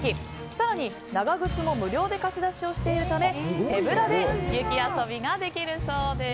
更に長靴も無料で貸し出しをしているため手ぶらで雪遊びができるそうです。